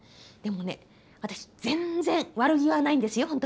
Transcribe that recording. でもね私全然悪気はないんですよ